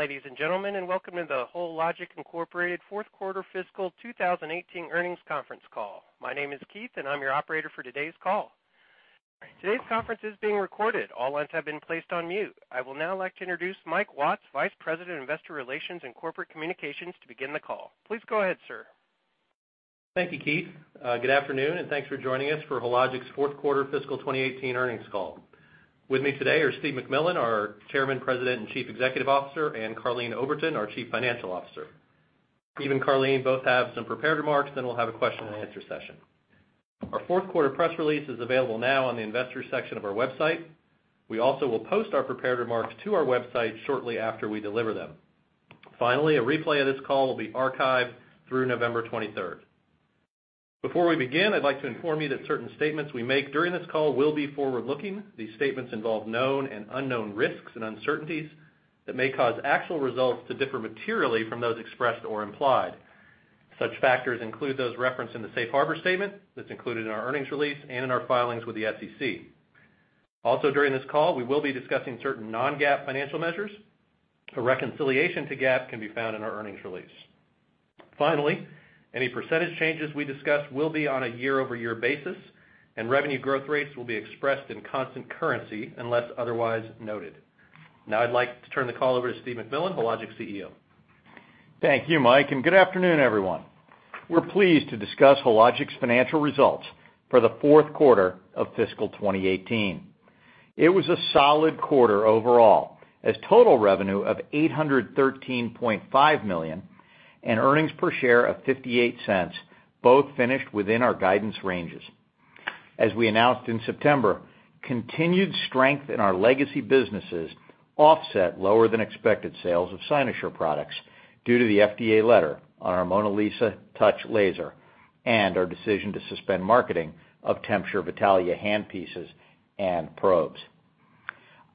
Good afternoon, ladies and gentlemen, and welcome to the Hologic, Inc. fourth quarter fiscal 2018 earnings conference call. My name is Keith and I'm your operator for today's call. Today's conference is being recorded. All lines have been placed on mute. I will now like to introduce Michael Watts, Vice President, Investor Relations and Corporate Communications to begin the call. Please go ahead, sir. Thank you, Keith. Good afternoon, and thanks for joining us for Hologic's fourth quarter fiscal 2018 earnings call. With me today are Steve MacMillan, our Chairman, President, and Chief Executive Officer, and Karleen Oberton, our Chief Financial Officer. Steve and Karleen both have some prepared remarks, then we'll have a question and answer session. Our fourth quarter press release is available now on the investor section of our website. We also will post our prepared remarks to our website shortly after we deliver them. Finally, a replay of this call will be archived through November 23rd. Before we begin, I'd like to inform you that certain statements we make during this call will be forward-looking. These statements involve known and unknown risks and uncertainties that may cause actual results to differ materially from those expressed or implied. Such factors include those referenced in the safe harbor statement that's included in our earnings release and in our filings with the SEC. Also, during this call, we will be discussing certain non-GAAP financial measures. A reconciliation to GAAP can be found in our earnings release. Finally, any percentage changes we discuss will be on a year-over-year basis, and revenue growth rates will be expressed in constant currency unless otherwise noted. I'd like to turn the call over to Steve MacMillan, Hologic's CEO. Thank you, Mike, and good afternoon, everyone. We're pleased to discuss Hologic's financial results for the fourth quarter of fiscal 2018. It was a solid quarter overall as total revenue of $813.5 million and earnings per share of $0.58 both finished within our guidance ranges. As we announced in September, continued strength in our legacy businesses offset lower than expected sales of Cynosure products due to the FDA letter on our MonaLisa Touch laser and our decision to suspend marketing of TempSure Vitalia hand pieces and probes.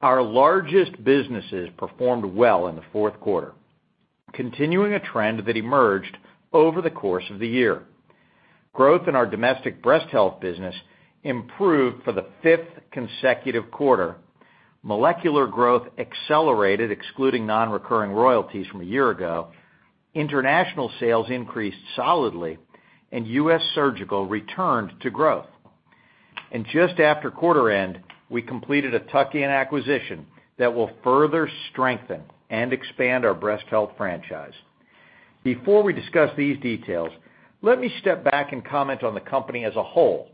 Our largest businesses performed well in the fourth quarter, continuing a trend that emerged over the course of the year. Growth in our domestic breast health business improved for the fifth consecutive quarter. Molecular growth accelerated, excluding non-recurring royalties from a year ago. International sales increased solidly, and U.S. surgical returned to growth. Just after quarter end, we completed a tuck-in acquisition that will further strengthen and expand our Breast Health franchise. Before we discuss these details, let me step back and comment on the company as a whole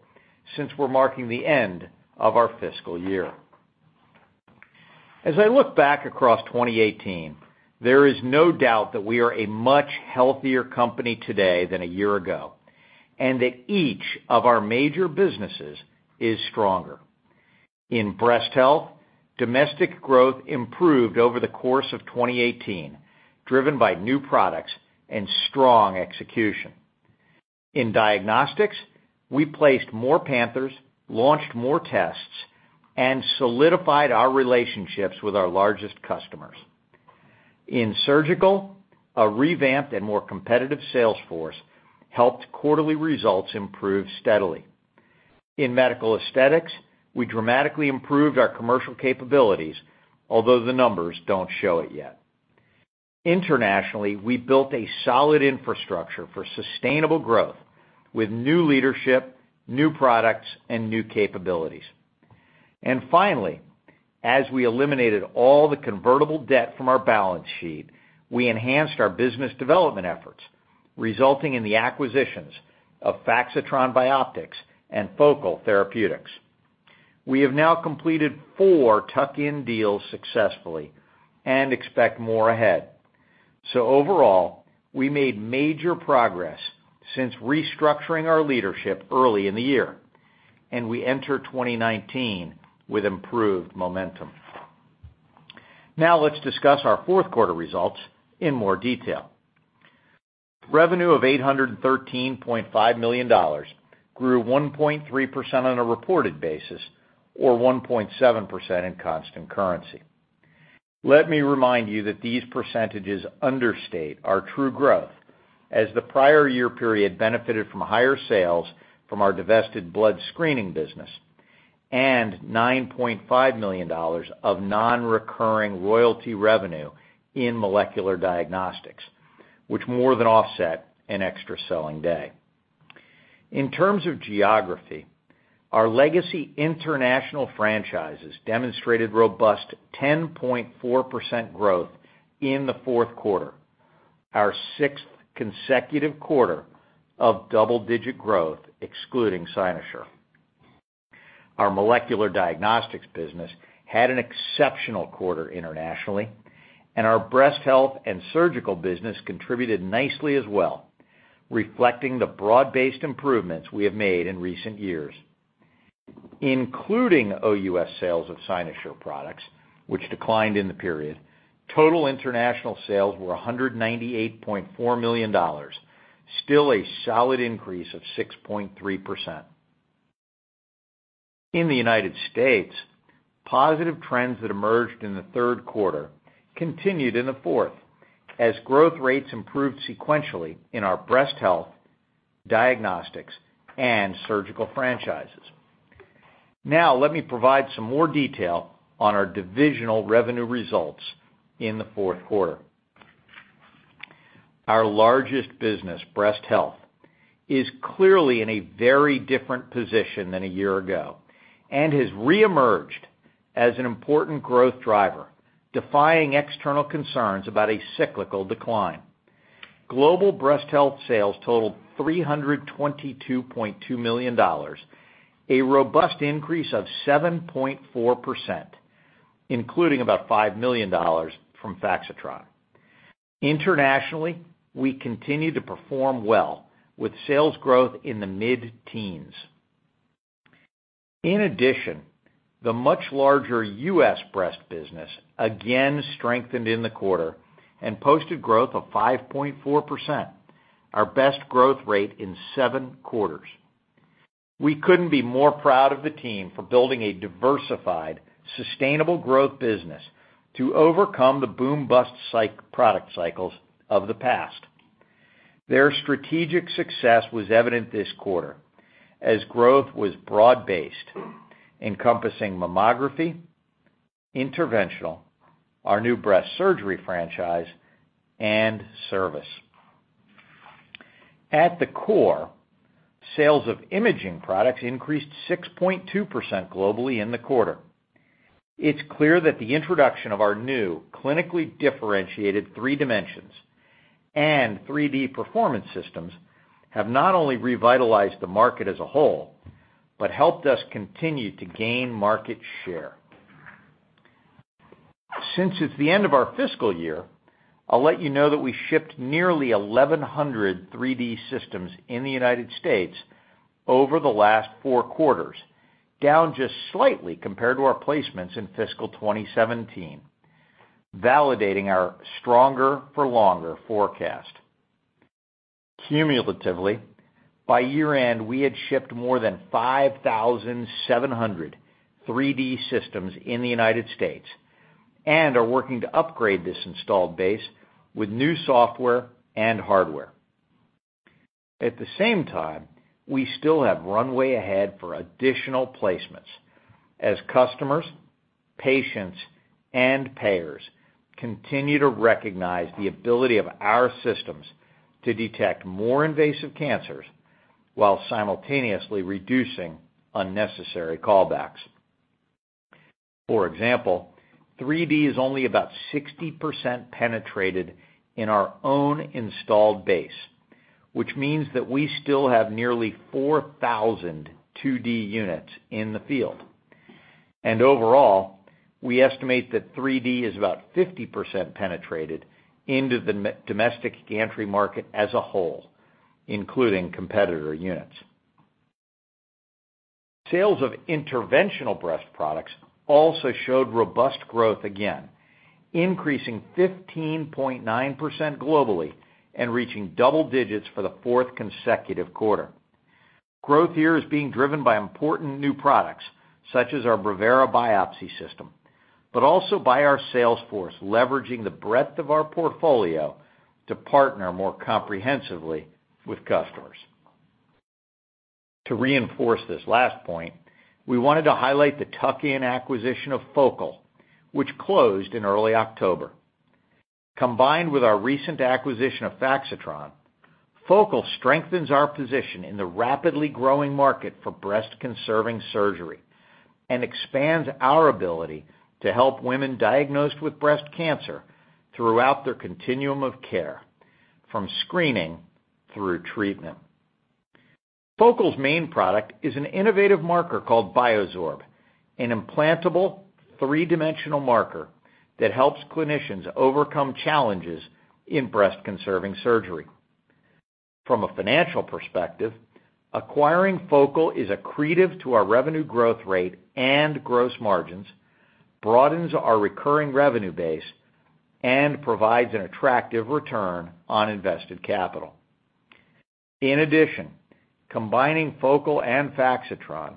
since we are marking the end of our fiscal year. As I look back across 2018, there is no doubt that we are a much healthier company today than a year ago, and that each of our major businesses is stronger. In Breast Health, domestic growth improved over the course of 2018, driven by new products and strong execution. In Diagnostics, we placed more Panthers, launched more tests, and solidified our relationships with our largest customers. In Surgical, a revamped and more competitive sales force helped quarterly results improve steadily. In Medical Aesthetics, we dramatically improved our commercial capabilities, although the numbers don't show it yet. Internationally, we built a solid infrastructure for sustainable growth with new leadership, new products, and new capabilities. Finally, as we eliminated all the convertible debt from our balance sheet, we enhanced our business development efforts, resulting in the acquisitions of Faxitron Bioptics and Focal Therapeutics. We have now completed four tuck-in deals successfully and expect more ahead. Overall, we made major progress since restructuring our leadership early in the year, and we enter 2019 with improved momentum. Let's discuss our fourth quarter results in more detail. Revenue of $813.5 million grew 1.3% on a reported basis or 1.7% in constant currency. Let me remind you that these percentages understate our true growth as the prior year period benefited from higher sales from our divested blood screening business and $9.5 million of non-recurring royalty revenue in Molecular Diagnostics, which more than offset an extra selling day. In terms of geography, our legacy international franchises demonstrated robust 10.4% growth in the fourth quarter, our sixth consecutive quarter of double-digit growth excluding Cynosure. Our Molecular Diagnostics business had an exceptional quarter internationally, and our Breast Health and Surgical business contributed nicely as well, reflecting the broad-based improvements we have made in recent years. Including OUS sales of Cynosure products, which declined in the period, total international sales were $198.4 million, still a solid increase of 6.3%. In the U.S., positive trends that emerged in the third quarter continued in the fourth as growth rates improved sequentially in our Breast Health, Diagnostics, and Surgical franchises. Let me provide some more detail on our divisional revenue results in the fourth quarter. Our largest business, Breast Health, is clearly in a very different position than a year ago and has reemerged as an important growth driver, defying external concerns about a cyclical decline. Global Breast Health sales totaled $322.2 million, a robust increase of 7.4%, including about $5 million from Faxitron. Internationally, we continue to perform well, with sales growth in the mid-teens. In addition, the much larger U.S. Breast business again strengthened in the quarter and posted growth of 5.4%, our best growth rate in seven quarters. We couldn't be more proud of the team for building a diversified, sustainable growth business to overcome the boom-bust product cycles of the past. Their strategic success was evident this quarter as growth was broad-based, encompassing Mammography, Interventional, our new Breast Surgery franchise, and service. At the core, sales of imaging products increased 6.2% globally in the quarter. It's clear that the introduction of our new clinically differentiated 3Dimensions and 3D Performance systems have not only revitalized the market as a whole, but helped us continue to gain market share. Since it's the end of our fiscal year, I'll let you know that we shipped nearly 1,100 3D systems in the U.S. over the last four quarters, down just slightly compared to our placements in fiscal 2017, validating our stronger for longer forecast. Cumulatively, by year-end, we had shipped more than 5,700 3D systems in the U.S. and are working to upgrade this installed base with new software and hardware. At the same time, we still have runway ahead for additional placements as customers, patients, and payers continue to recognize the ability of our systems to detect more invasive cancers while simultaneously reducing unnecessary callbacks. For example, 3D is only about 60% penetrated in our own installed base, which means that we still have nearly 4,000 2D units in the field. Overall, we estimate that 3D is about 50% penetrated into the domestic gantry market as a whole, including competitor units. Sales of interventional breast products also showed robust growth again, increasing 15.9% globally and reaching double digits for the fourth consecutive quarter. Growth here is being driven by important new products such as our Brevera biopsy system, but also by our sales force leveraging the breadth of our portfolio to partner more comprehensively with customers. To reinforce this last point, we wanted to highlight the tuck-in acquisition of Focal, which closed in early October. Combined with our recent acquisition of Faxitron, Focal strengthens our position in the rapidly growing market for breast conserving surgery and expands our ability to help women diagnosed with breast cancer throughout their continuum of care, from screening through treatment. Focal's main product is an innovative marker called BioZorb, an implantable three-dimensional marker that helps clinicians overcome challenges in breast conserving surgery. From a financial perspective, acquiring Focal is accretive to our revenue growth rate and gross margins, broadens our recurring revenue base, and provides an attractive return on invested capital. In addition, combining Focal and Faxitron,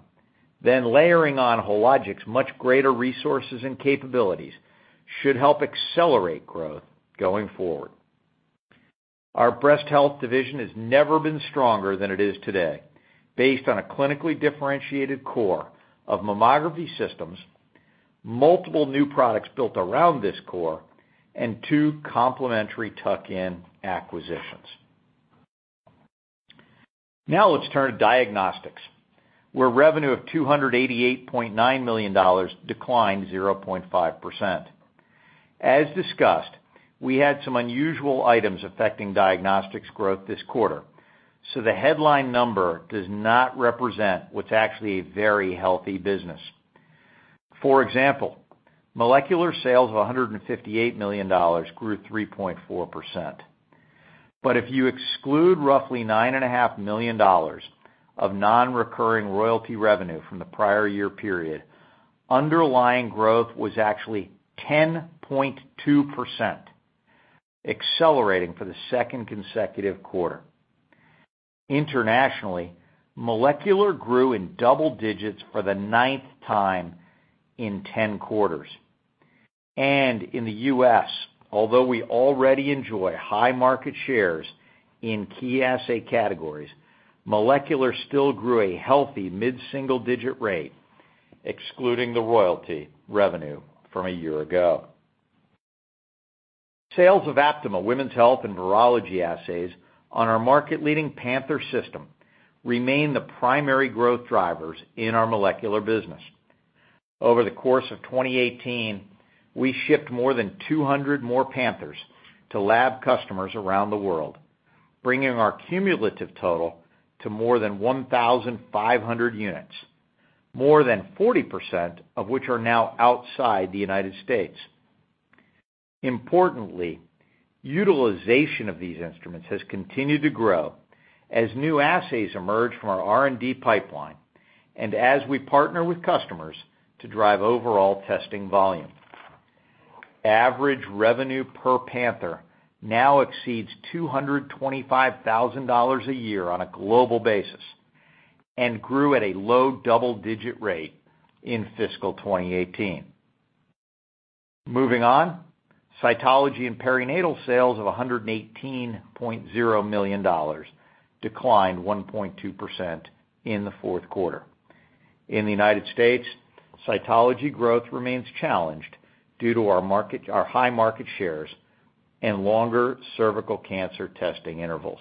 then layering on Hologic's much greater resources and capabilities, should help accelerate growth going forward. Our breast health division has never been stronger than it is today, based on a clinically differentiated core of mammography systems, multiple new products built around this core, and two complementary tuck-in acquisitions. Now let's turn to diagnostics, where revenue of $288.9 million declined 0.5%. As discussed, we had some unusual items affecting diagnostics growth this quarter, so the headline number does not represent what's actually a very healthy business. For example, molecular sales of $158 million grew 3.4%. But if you exclude roughly $9.5 million of non-recurring royalty revenue from the prior year period, underlying growth was actually 10.2%, accelerating for the second consecutive quarter. Internationally, molecular grew in double digits for the ninth time in 10 quarters. In the U.S., although we already enjoy high market shares in key assay categories, molecular still grew a healthy mid-single-digit rate, excluding the royalty revenue from a year ago. Sales of Aptima women's health and virology assays on our market-leading Panther system remain the primary growth drivers in our molecular business. Over the course of 2018, we shipped more than 200 more Panthers to lab customers around the world, bringing our cumulative total to more than 1,500 units, more than 40% of which are now outside the United States. Importantly, utilization of these instruments has continued to grow as new assays emerge from our R&D pipeline and as we partner with customers to drive overall testing volume. Average revenue per Panther now exceeds $225,000 a year on a global basis and grew at a low double-digit rate in fiscal 2018. Moving on, cytology and perinatal sales of $118.0 million declined 1.2% in the fourth quarter. In the United States, cytology growth remains challenged due to our high market shares and longer cervical cancer testing intervals.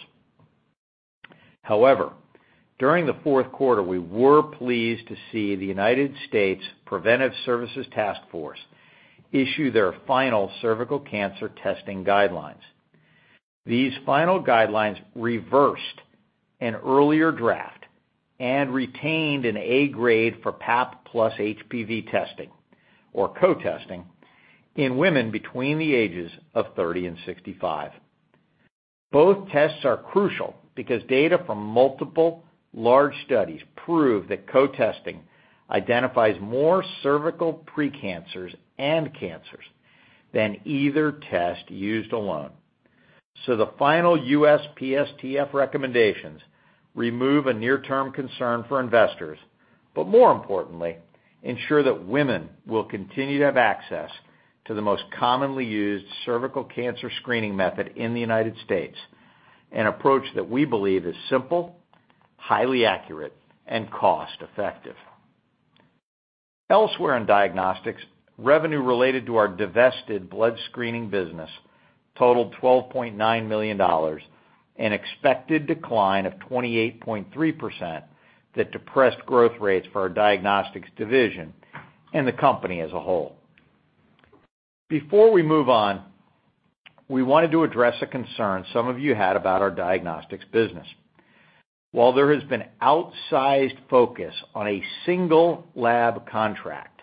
However, during the fourth quarter, we were pleased to see the United States Preventive Services Task Force issue their final cervical cancer testing guidelines. These final guidelines reversed an earlier draft and retained an A grade for Pap plus HPV testing, or co-testing, in women between the ages of 30 and 65. Both tests are crucial because data from multiple large studies prove that co-testing identifies more cervical pre-cancers and cancers than either test used alone. The final USPSTF recommendations remove a near-term concern for investors, but more importantly, ensure that women will continue to have access to the most commonly used cervical cancer screening method in the United States, an approach that we believe is simple, highly accurate, and cost-effective. Elsewhere in diagnostics, revenue related to our divested blood screening business totaled $12.9 million, an expected decline of 28.3% that depressed growth rates for our diagnostics division and the company as a whole. Before we move on, we wanted to address a concern some of you had about our diagnostics business. While there has been outsized focus on a single lab contract,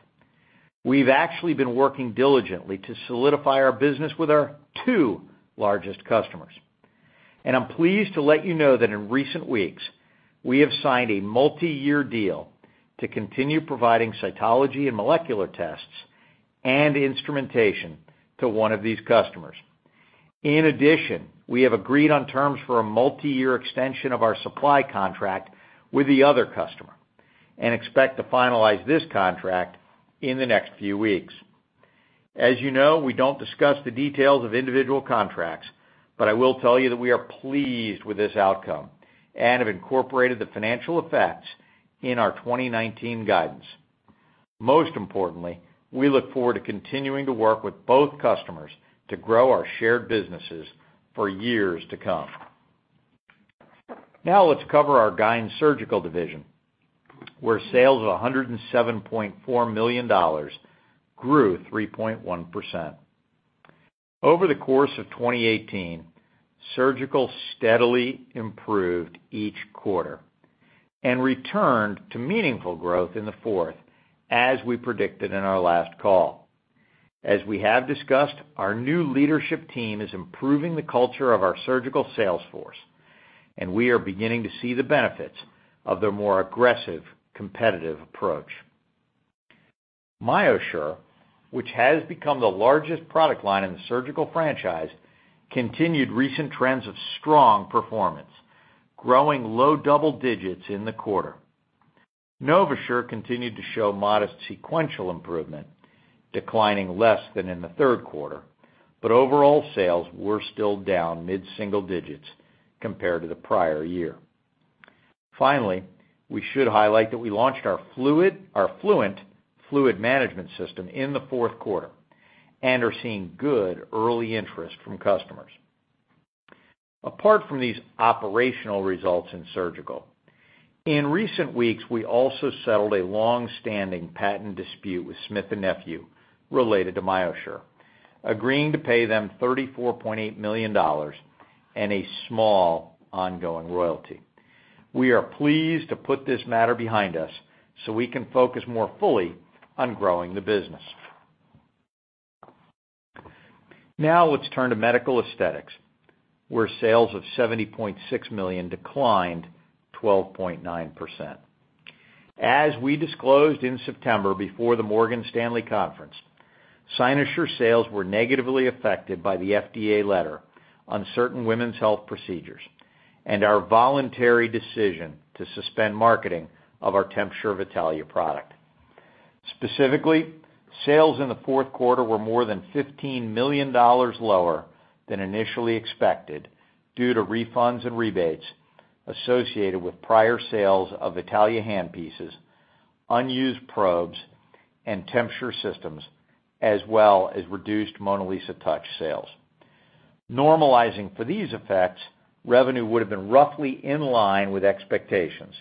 we've actually been working diligently to solidify our business with our two largest customers. I'm pleased to let you know that in recent weeks, we have signed a multi-year deal to continue providing cytology and molecular tests and instrumentation to one of these customers. In addition, we have agreed on terms for a multi-year extension of our supply contract with the other customer and expect to finalize this contract in the next few weeks. As you know, we don't discuss the details of individual contracts, but I will tell you that we are pleased with this outcome and have incorporated the financial effects in our 2019 guidance. Most importantly, we look forward to continuing to work with both customers to grow our shared businesses for years to come. Let's cover our Gyn Surgical division, where sales of $107.4 million grew 3.1%. Over the course of 2018, surgical steadily improved each quarter and returned to meaningful growth in the fourth, as we predicted in our last call. As we have discussed, our new leadership team is improving the culture of our surgical sales force, and we are beginning to see the benefits of their more aggressive, competitive approach. MyoSure, which has become the largest product line in the surgical franchise, continued recent trends of strong performance, growing low double digits in the quarter. NovaSure continued to show modest sequential improvement, declining less than in the third quarter, but overall sales were still down mid-single digits compared to the prior year. We should highlight that we launched our Fluent Fluid Management System in the fourth quarter and are seeing good early interest from customers. Apart from these operational results in surgical, in recent weeks, we also settled a long-standing patent dispute with Smith & Nephew related to MyoSure, agreeing to pay them $34.8 million and a small ongoing royalty. We are pleased to put this matter behind us so we can focus more fully on growing the business. Now let's turn to Medical Aesthetics, where sales of $70.6 million declined 12.9%. As we disclosed in September before the Morgan Stanley conference, Cynosure sales were negatively affected by the FDA letter on certain women's health procedures. Our voluntary decision to suspend marketing of our TempSure Vitalia product. Specifically, sales in the fourth quarter were more than $15 million lower than initially expected due to refunds and rebates associated with prior sales of Vitalia handpieces, unused probes, and TempSure systems, as well as reduced MonaLisa Touch sales. Normalizing for these effects, revenue would have been roughly in line with expectations,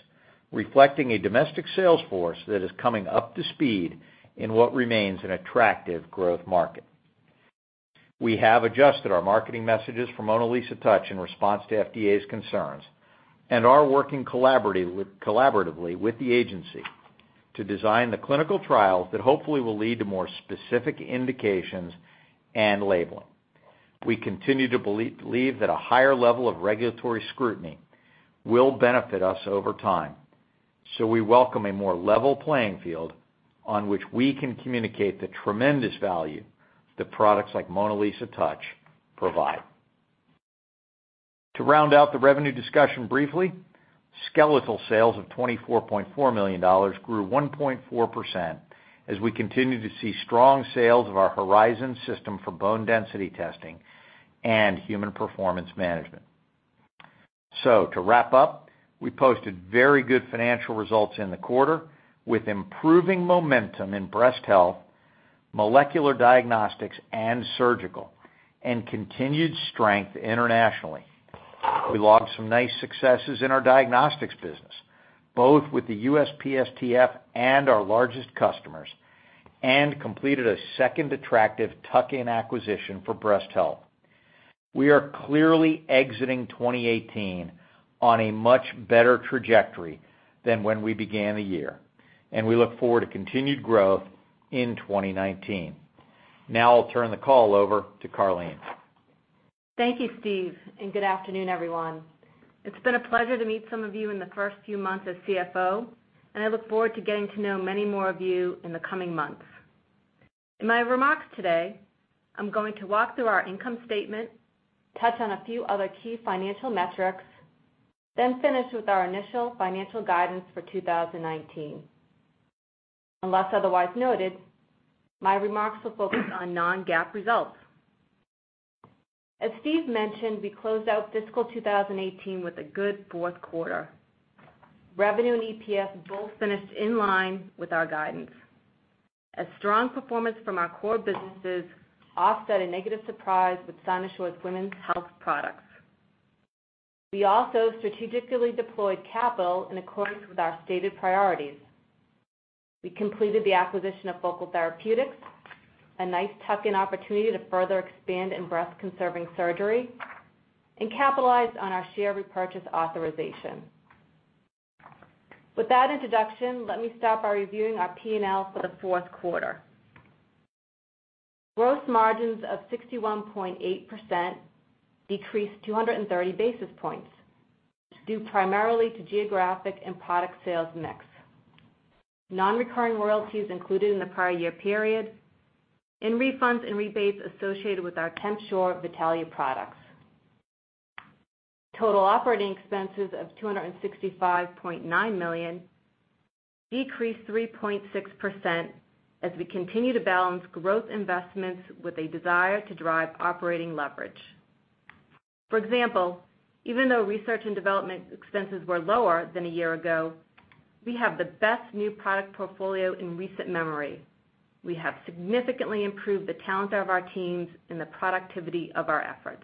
reflecting a domestic sales force that is coming up to speed in what remains an attractive growth market. We have adjusted our marketing messages for MonaLisa Touch in response to FDA's concerns, and are working collaboratively with the agency to design the clinical trial that hopefully will lead to more specific indications and labeling. We continue to believe that a higher level of regulatory scrutiny will benefit us over time. We welcome a more level playing field on which we can communicate the tremendous value that products like MonaLisa Touch provide. To round out the revenue discussion briefly, skeletal sales of $24.4 million grew 1.4% as we continue to see strong sales of our Horizon system for bone density testing and human performance management. To wrap up, we posted very good financial results in the quarter, with improving momentum in Breast Health, Molecular Diagnostics, and Surgical, and continued strength internationally. We logged some nice successes in our Diagnostics business, both with the USPSTF and our largest customers, and completed a second attractive tuck-in acquisition for Breast Health. We are clearly exiting 2018 on a much better trajectory than when we began the year, and we look forward to continued growth in 2019. I'll turn the call over to Karleen. Thank you, Steve, and good afternoon, everyone. It's been a pleasure to meet some of you in the first few months as CFO, and I look forward to getting to know many more of you in the coming months. In my remarks today, I'm going to walk through our income statement, touch on a few other key financial metrics, then finish with our initial financial guidance for 2019. Unless otherwise noted, my remarks will focus on non-GAAP results. As Steve mentioned, we closed out fiscal 2018 with a good fourth quarter. Revenue and EPS both finished in line with our guidance. A strong performance from our core businesses offset a negative surprise with Cynosure's women's health products. We also strategically deployed capital in accordance with our stated priorities. We completed the acquisition of Focal Therapeutics, a nice tuck-in opportunity to further expand in breast-conserving surgery, and capitalized on our share repurchase authorization. With that introduction, let me start by reviewing our P&L for the fourth quarter. Gross margins of 61.8% decreased 230 basis points, due primarily to geographic and product sales mix. Non-recurring royalties included in the prior year period and refunds and rebates associated with our TempSure Vitalia products. Total operating expenses of $265.9 million decreased 3.6% as we continue to balance growth investments with a desire to drive operating leverage. For example, even though research and development expenses were lower than a year ago, we have the best new product portfolio in recent memory. We have significantly improved the talent of our teams and the productivity of our efforts.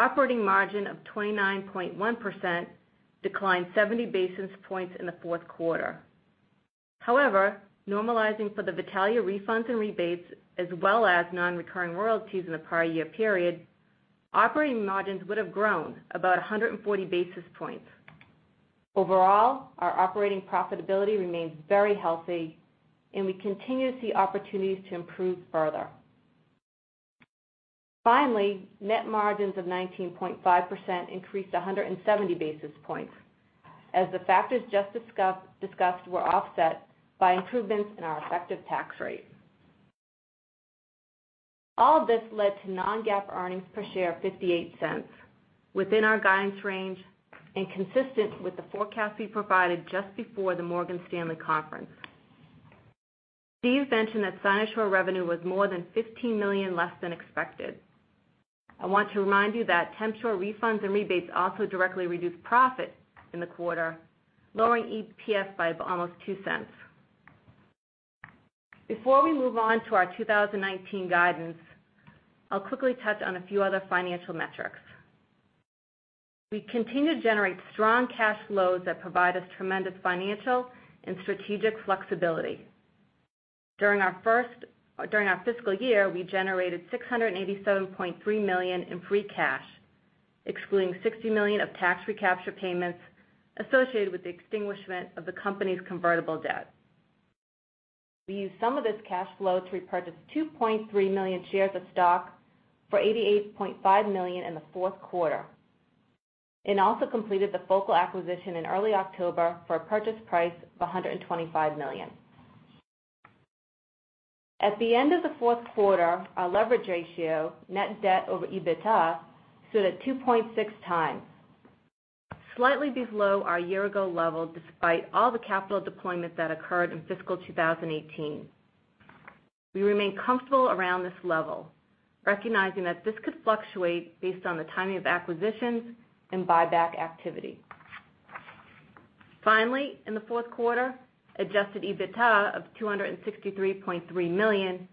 Operating margin of 29.1% declined 70 basis points in the fourth quarter. Normalizing for the Vitalia refunds and rebates as well as non-recurring royalties in the prior year period, operating margins would have grown about 140 basis points. Overall, our operating profitability remains very healthy, and we continue to see opportunities to improve further. Net margins of 19.5% increased 170 basis points as the factors just discussed were offset by improvements in our effective tax rate. All of this led to non-GAAP earnings per share of $0.58, within our guidance range and consistent with the forecast we provided just before the Morgan Stanley conference. Steve mentioned that Cynosure revenue was more than $15 million less than expected. I want to remind you that TempSure refunds and rebates also directly reduced profit in the quarter, lowering EPS by almost $0.02. Before we move on to our 2019 guidance, I'll quickly touch on a few other financial metrics. We continue to generate strong cash flows that provide us tremendous financial and strategic flexibility. During our fiscal year, we generated $687.3 million in free cash, excluding $60 million of tax recapture payments associated with the extinguishment of the company's convertible debt. We used some of this cash flow to repurchase 2.3 million shares of stock for $88.5 million in the fourth quarter and also completed the Focal acquisition in early October for a purchase price of $125 million. At the end of the fourth quarter, our leverage ratio, net debt over EBITDA, stood at 2.6 times. Slightly below our year-ago level, despite all the capital deployment that occurred in fiscal 2018. We remain comfortable around this level, recognizing that this could fluctuate based on the timing of acquisitions and buyback activity. In the fourth quarter, adjusted EBITDA of $263.3 million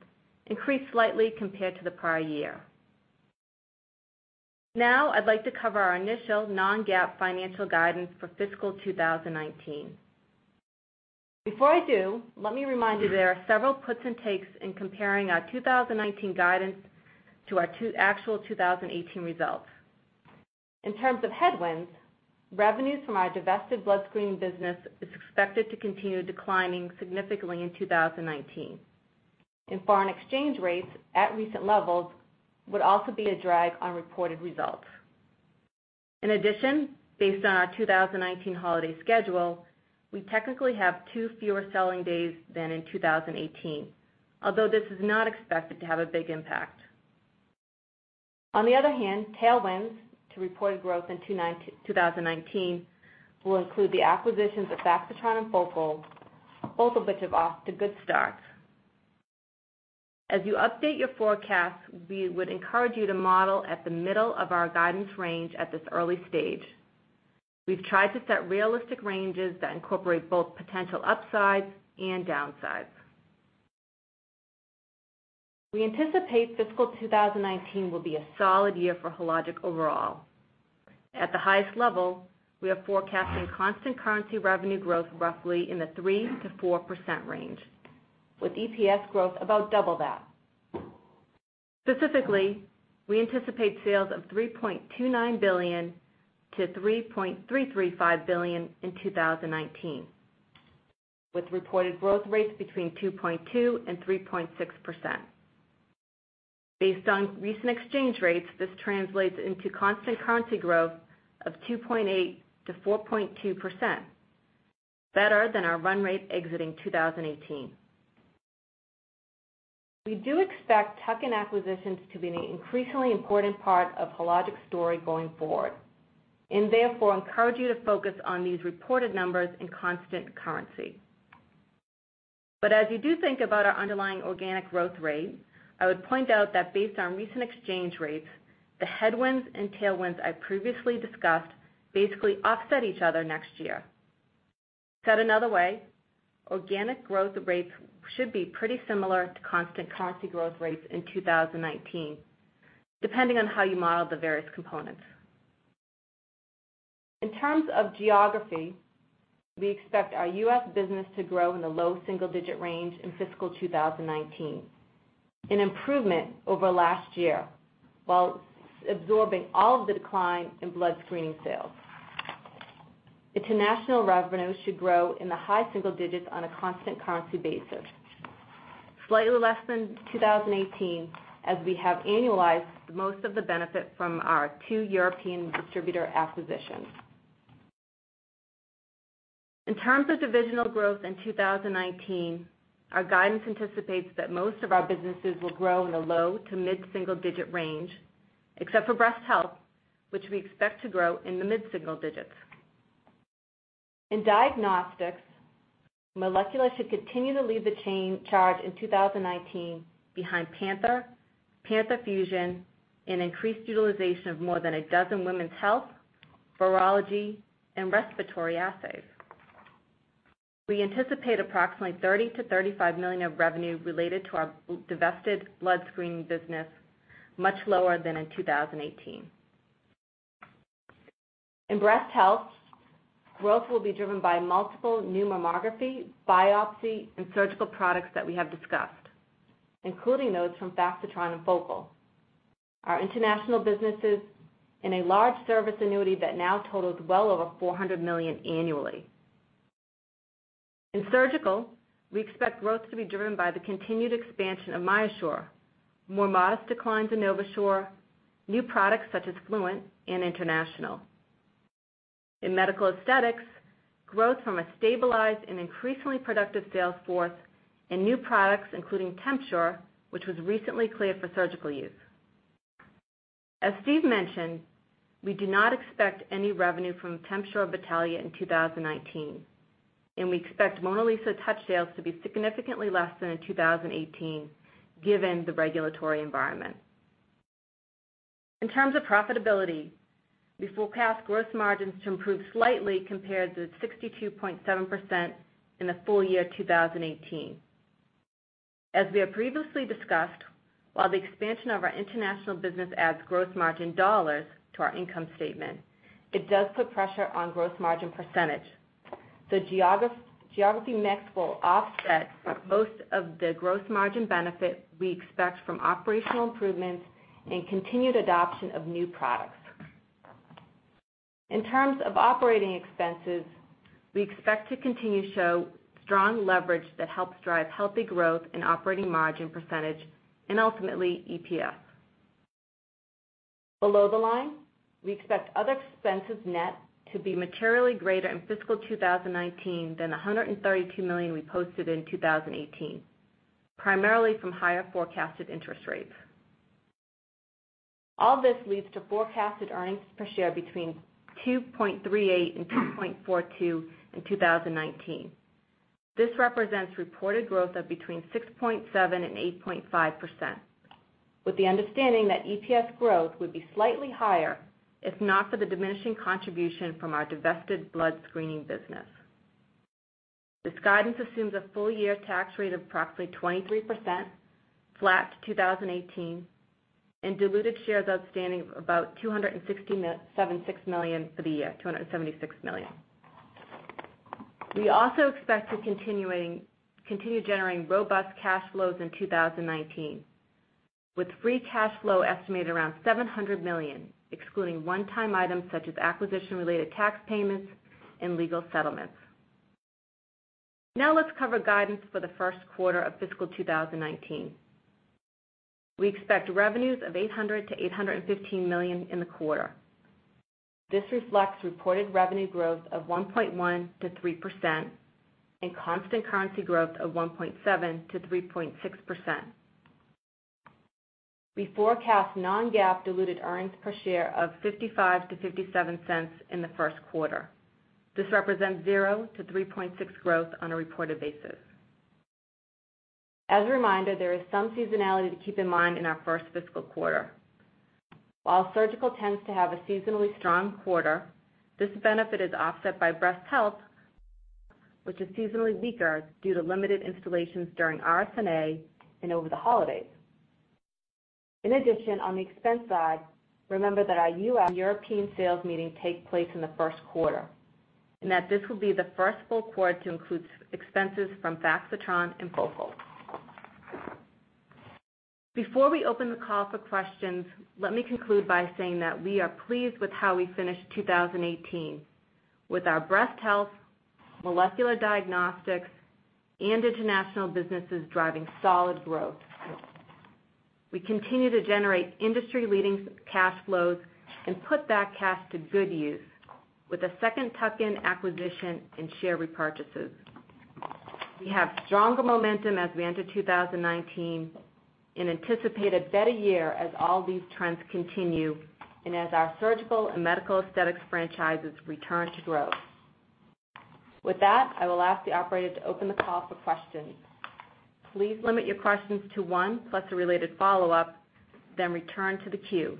increased slightly compared to the prior year. I'd like to cover our initial non-GAAP financial guidance for fiscal 2019. Before I do, let me remind you, there are several puts and takes in comparing our 2019 guidance to our actual 2018 results. In terms of headwinds, revenues from our divested blood screening business is expected to continue declining significantly in 2019, and foreign exchange rates at recent levels would also be a drag on reported results. In addition, based on our 2019 holiday schedule, we technically have two fewer selling days than in 2018, although this is not expected to have a big impact. On the other hand, tailwinds to reported growth in 2019 will include the acquisitions of Faxitron and Focal, both of which are off to good starts. As you update your forecasts, we would encourage you to model at the middle of our guidance range at this early stage. We've tried to set realistic ranges that incorporate both potential upsides and downsides. We anticipate fiscal 2019 will be a solid year for Hologic overall. At the highest level, we are forecasting constant currency revenue growth roughly in the 3% to 4% range, with EPS growth about double that. Specifically, we anticipate sales of $3.29 billion to $3.335 billion in 2019, with reported growth rates between 2.2% and 3.6%. Based on recent exchange rates, this translates into constant currency growth of 2.8% to 4.2%, better than our run rate exiting 2018. We do expect tuck-in acquisitions to be an increasingly important part of Hologic's story going forward. Therefore, encourage you to focus on these reported numbers in constant currency. As you do think about our underlying organic growth rate, I would point out that based on recent exchange rates, the headwinds and tailwinds I previously discussed basically offset each other next year. Said another way, organic growth rates should be pretty similar to constant currency growth rates in 2019, depending on how you model the various components. In terms of geography, we expect our U.S. business to grow in the low single-digit range in fiscal 2019, an improvement over last year, while absorbing all of the decline in blood screening sales. International revenues should grow in the high single digits on a constant currency basis. Slightly less than 2018, as we have annualized most of the benefit from our two European distributor acquisitions. In terms of divisional growth in 2019, our guidance anticipates that most of our businesses will grow in the low to mid single digit range, except for Breast Health, which we expect to grow in the mid single digits. In diagnostics, molecular should continue to lead the charge in 2019 behind Panther Fusion, and increased utilization of more than a dozen women's health, virology, and respiratory assays. We anticipate approximately $30 million-$35 million of revenue related to our divested blood screening business, much lower than in 2018. In Breast Health, growth will be driven by multiple new mammography, biopsy, and surgical products that we have discussed, including those from Faxitron and Focal. Our international businesses and a large service annuity that now totals well over $400 million annually. In Surgical, we expect growth to be driven by the continued expansion of MyoSure, more modest declines in NovaSure, new products such as Fluent, and international. In Medical Aesthetics, growth from a stabilized and increasingly productive sales force and new products, including TempSure, which was recently cleared for surgical use. As Steve mentioned, we do not expect any revenue from TempSure Vitalia in 2019, and we expect MonaLisa Touch sales to be significantly less than in 2018 given the regulatory environment. In terms of profitability, we forecast gross margins to improve slightly compared to 62.7% in the full year 2018. As we have previously discussed, while the expansion of our international business adds gross margin dollars to our income statement, it does put pressure on gross margin percentage. The geography mix will offset most of the gross margin benefit we expect from operational improvements and continued adoption of new products. In terms of operating expenses, we expect to continue to show strong leverage that helps drive healthy growth and operating margin percentage, and ultimately EPS. Below the line, we expect other expenses net to be materially greater in fiscal 2019 than $132 million we posted in 2018, primarily from higher forecasted interest rates. All this leads to forecasted earnings per share between $2.38 and $2.42 in 2019. This represents reported growth of between 6.7% and 8.5%, with the understanding that EPS growth would be slightly higher if not for the diminishing contribution from our divested blood screening business. This guidance assumes a full-year tax rate of approximately 23%, flat to 2018, and diluted shares outstanding of about 276 million for the year. We also expect to continue generating robust cash flows in 2019, with free cash flow estimated around $700 million, excluding one-time items such as acquisition-related tax payments and legal settlements. Let's cover guidance for the first quarter of fiscal 2019. We expect revenues of $800 million-$815 million in the quarter. This reflects reported revenue growth of 1.1%-3% and constant currency growth of 1.7%-3.6%. We forecast non-GAAP diluted earnings per share of $0.55-$0.57 in the first quarter. This represents 0%-3.6% growth on a reported basis. As a reminder, there is some seasonality to keep in mind in our first fiscal quarter. While surgical tends to have a seasonally strong quarter, this benefit is offset by breast health, which is seasonally weaker due to limited installations during RSNA and over the holidays. In addition, on the expense side, remember that our European sales meeting takes place in the first quarter, and that this will be the first full quarter to include expenses from Faxitron and Focal. Before we open the call for questions, let me conclude by saying that we are pleased with how we finished 2018 with our breast health, molecular diagnostics, and international businesses driving solid growth. We continue to generate industry-leading cash flows and put that cash to good use with a second tuck-in acquisition and share repurchases. We have stronger momentum as we enter 2019 and anticipate a better year as all these trends continue and as our surgical and medical aesthetics franchises return to growth. With that, I will ask the operator to open the call for questions. Please limit your questions to one plus a related follow-up, then return to the queue.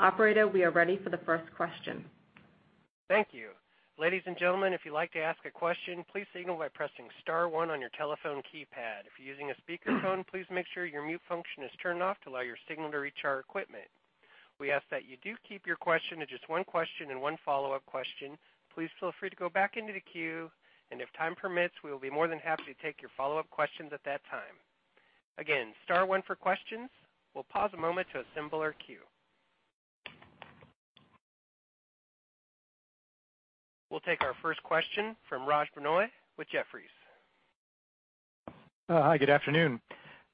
Operator, we are ready for the first question. Thank you. Ladies and gentlemen, if you'd like to ask a question, please signal by pressing star one on your telephone keypad. If you're using a speakerphone, please make sure your mute function is turned off to allow your signal to reach our equipment. We ask that you do keep your question to just one question and one follow-up question. Please feel free to go back into the queue, and if time permits, we will be more than happy to take your follow-up questions at that time. Again, star one for questions. We'll pause a moment to assemble our queue. We'll take our first question from Raj Denhoy with Jefferies. Hi, good afternoon.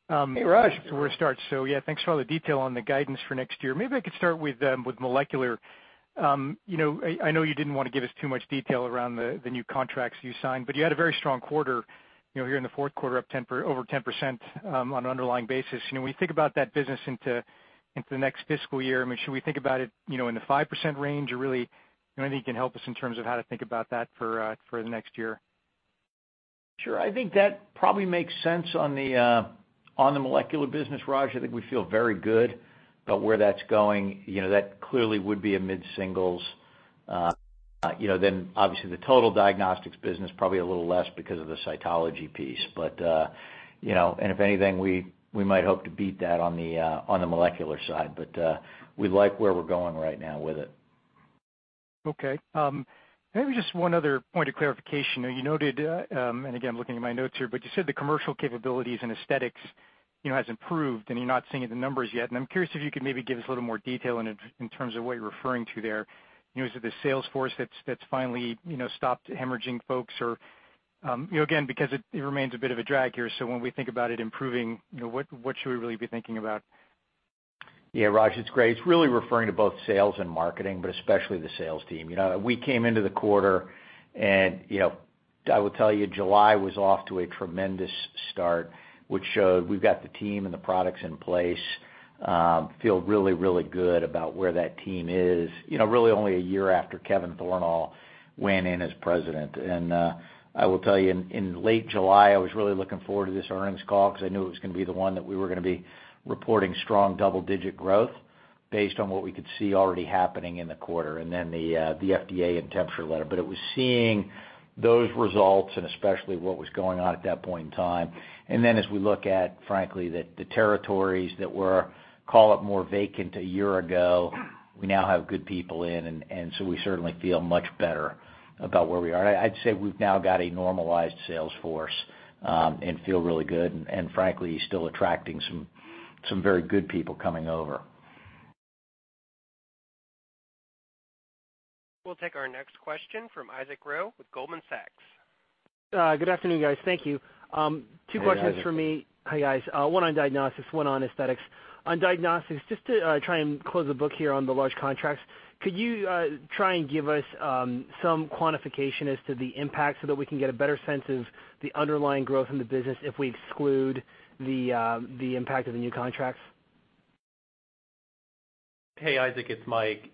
Hey, Raj. Before we start, yeah, thanks for all the detail on the guidance for next year. Maybe I could start with molecular. I know you didn't want to give us too much detail around the new contracts you signed, you had a very strong quarter here in the fourth quarter, up over 10% on an underlying basis. When you think about that business into the next fiscal year, should we think about it in the 5% range? Really, anything you can help us in terms of how to think about that for the next year? Sure. I think that probably makes sense on the molecular business, Raj. I think we feel very good about where that's going. That clearly would be a mid-singles. Obviously the total diagnostics business, probably a little less because of the cytology piece. If anything, we might hope to beat that on the molecular side, but we like where we're going right now with it. Okay. Maybe just one other point of clarification. You noted, again, I'm looking at my notes here, but you said the commercial capabilities in aesthetics has improved, and you're not seeing it in the numbers yet, and I'm curious if you could maybe give us a little more detail in terms of what you're referring to there. Is it the sales force that's finally stopped hemorrhaging folks? Again, because it remains a bit of a drag here, when we think about it improving, what should we really be thinking about? Yeah, Raj, it's great. It's really referring to both sales and marketing, but especially the sales team. We came into the quarter. I will tell you, July was off to a tremendous start, which showed we've got the team and the products in place. Feel really, really good about where that team is. Really only a year after Kevin Thornal went in as President. I will tell you, in late July, I was really looking forward to this earnings call because I knew it was going to be the one that we were going to be reporting strong double-digit growth based on what we could see already happening in the quarter, then the FDA and TempSure letter. It was seeing those results and especially what was going on at that point in time. As we look at, frankly, the territories that were call it more vacant a year ago, we now have good people in. We certainly feel much better about where we are. I'd say we've now got a normalized sales force, feel really good and frankly, still attracting some very good people coming over. We'll take our next question from Isaac Ro with Goldman Sachs. Good afternoon, guys. Thank you. Hey, Isaac. Two questions from me. Hi, guys. One on diagnostics, one on aesthetics. On diagnostics, just to try and close the book here on the large contracts, could you try and give us some quantification as to the impact so that we can get a better sense of the underlying growth in the business if we exclude the impact of the new contracts? Hey, Isaac, it's Mike.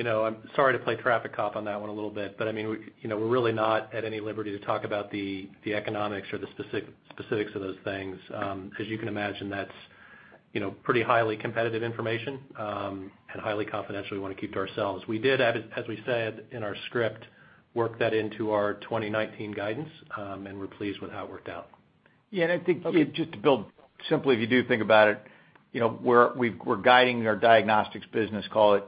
I'm sorry to play traffic cop on that one a little bit. We're really not at any liberty to talk about the economics or the specifics of those things, because you can imagine that's pretty highly competitive information, and highly confidential we want to keep to ourselves. We did, as we said in our script, work that into our 2019 guidance, and we're pleased with how it worked out. Okay. Yeah, I think just to build, simply, if you do think about it, we're guiding our diagnostics business, call it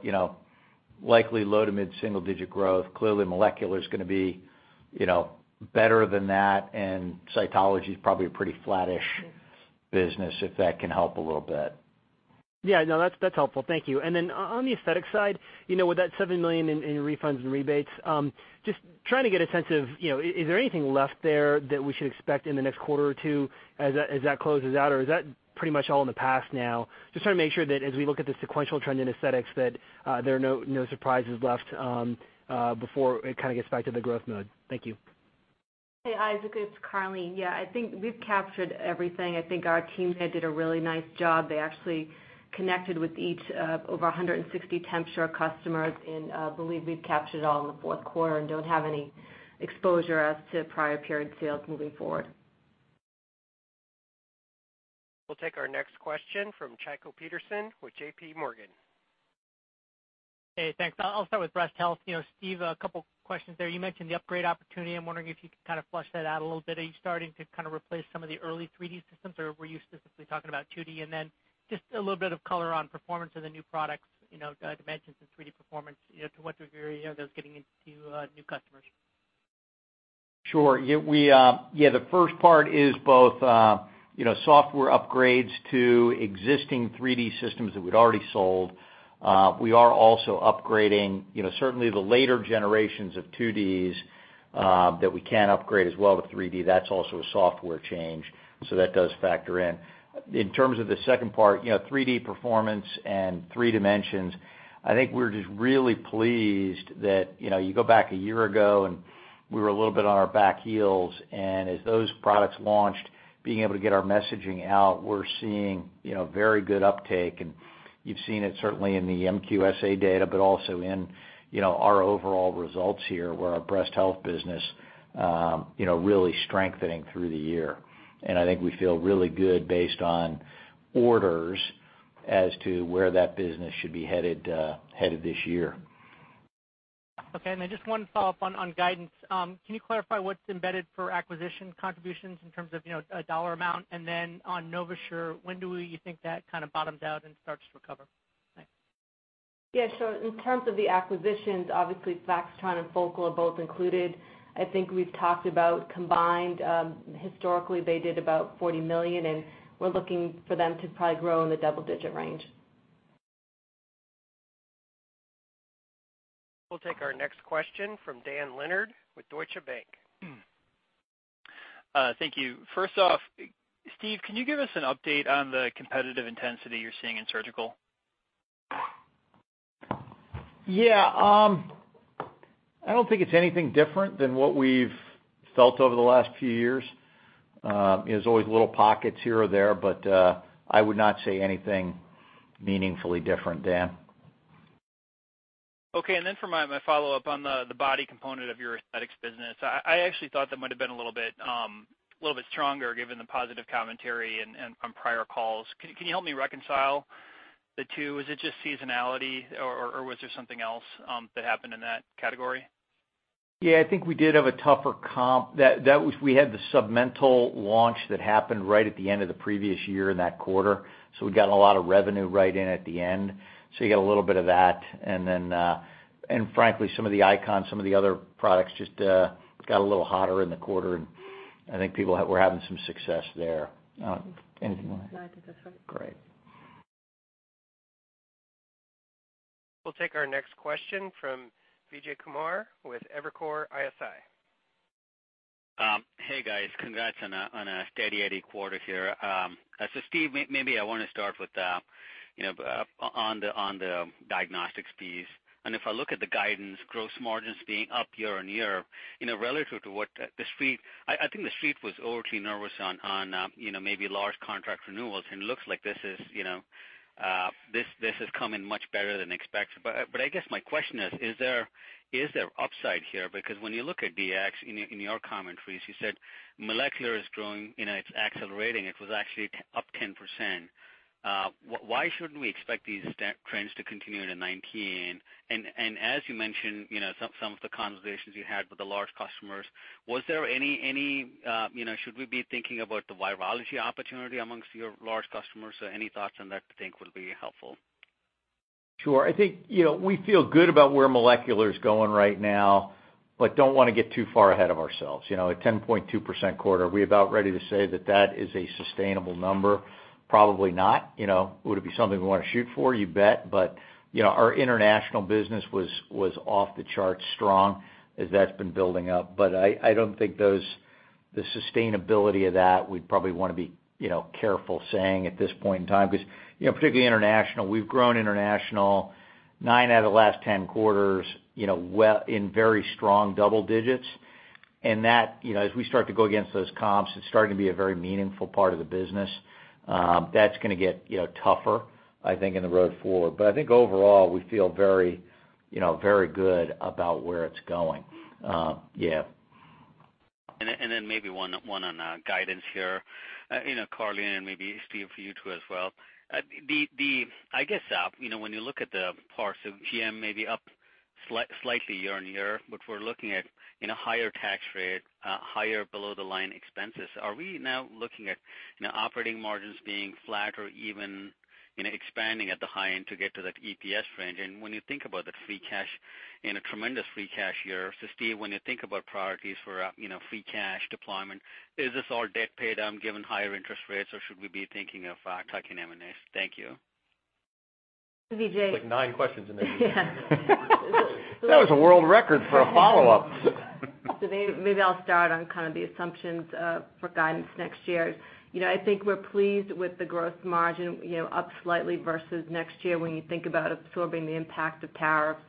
likely low to mid single digit growth. Clearly, molecular's going to be better than that, and cytology is probably a pretty flattish business, if that can help a little bit. Yeah, no, that's helpful. Thank you. Then on the aesthetics side, with that $7 million in refunds and rebates, just trying to get a sense of, is there anything left there that we should expect in the next quarter or two as that closes out? Is that pretty much all in the past now? Just trying to make sure that as we look at the sequential trend in aesthetics, that there are no surprises left before it kind of gets back to the growth mode. Thank you. Hey, Isaac, it's Karleen. Yeah, I think we've captured everything. I think our team head did a really nice job. They actually connected with each of over 160 TempSure customers, and I believe we've captured it all in the fourth quarter and don't have any exposure as to prior period sales moving forward. We'll take our next question from Tycho Peterson with JPMorgan. Hey, thanks. I'll start with breast health. Steve, a couple questions there. You mentioned the upgrade opportunity. I'm wondering if you could kind of flesh that out a little bit. Are you starting to kind of replace some of the early 3D systems, or were you specifically talking about 2D? Then just a little bit of color on performance of the new products, 3Dimensions and 3D Performance. To what degree are those getting into new customers? Sure. Yeah, the first part is both software upgrades to existing 3D systems that we'd already sold. We are also upgrading certainly the later generations of 2Ds that we can upgrade as well to 3D. That's also a software change, so that does factor in. In terms of the second part, 3D Performance and 3Dimensions, I think we're just really pleased that you go back a year ago, and we were a little bit on our back heels, and as those products launched, being able to get our messaging out, we're seeing very good uptake, and you've seen it certainly in the MQSA data, but also in our overall results here, where our breast health business really strengthening through the year. I think we feel really good based on orders as to where that business should be headed this year. Okay, then just one follow-up on guidance. Can you clarify what's embedded for acquisition contributions in terms of a dollar amount? Then on NovaSure, when do you think that kind of bottoms out and starts to recover? Thanks. Yeah, sure. In terms of the acquisitions, obviously Faxitron and Focal are both included. I think we've talked about combined, historically, they did about $40 million, and we're looking for them to probably grow in the double-digit range. We'll take our next question from Dan Leonard with Deutsche Bank. Thank you. First off, Steve, can you give us an update on the competitive intensity you're seeing in surgical? Yeah. I don't think it's anything different than what we've felt over the last few years. There's always little pockets here or there, but I would not say anything meaningfully different, Dan. Okay, then for my follow-up on the body component of your aesthetics business, I actually thought that might've been a little bit stronger given the positive commentary on prior calls. Can you help me reconcile the two? Is it just seasonality, or was there something else that happened in that category? Yeah, I think we did have a tougher comp. We had the Submental launch that happened right at the end of the previous year in that quarter. We got a lot of revenue right in at the end. You get a little bit of that. Frankly, some of the Icon, some of the other products just got a little hotter in the quarter, and I think people were having some success there. Anything you want to add? No, I think that's right. Great. We'll take our next question from Vijay Kumar with Evercore ISI. Hey, guys. Congrats on a steady Eddie quarter here. Steve, maybe I want to start with on the diagnostics piece. If I look at the guidance, gross margins being up year-on-year, relative to what the Street, I think the Street was overly nervous on maybe large contract renewals, and it looks like this has come in much better than expected. I guess my question is there upside here? Because when you look at DX, in your commentaries, you said molecular is growing, it's accelerating. It was actually up 10%. Why shouldn't we expect these trends to continue into 2019? As you mentioned, some of the conversations you had with the large customers, should we be thinking about the virology opportunity amongst your large customers? Any thoughts on that, I think, will be helpful. Sure. I think we feel good about where molecular is going right now. But don't want to get too far ahead of ourselves. A 10.2% quarter, are we about ready to say that that is a sustainable number? Probably not. Would it be something we want to shoot for? You bet. Our international business was off the charts strong as that's been building up. I don't think the sustainability of that, we'd probably want to be careful saying at this point in time, because particularly international, we've grown international nine out of the last 10 quarters in very strong double digits. As we start to go against those comps, it's starting to be a very meaningful part of the business. That's going to get tougher, I think, in the road forward. I think overall, we feel very good about where it's going. Yeah. Maybe one on guidance here. Karlene, maybe Steve for you, too, as well. I guess, when you look at the parts of GM, maybe up slightly year-on-year, we're looking at higher tax rate, higher below-the-line expenses. Are we now looking at operating margins being flat or even expanding at the high end to get to that EPS range? When you think about the free cash, a tremendous free cash year. Steve, when you think about priorities for free cash deployment, is this all debt pay down given higher interest rates, or should we be thinking of tuck-in M&A? Thank you. Vijay- It's like nine questions in there. Yeah. That was a world record for a follow-up. Maybe I'll start on kind of the assumptions for guidance next year. I think we're pleased with the gross margin up slightly versus next year when you think about absorbing the impact of tariffs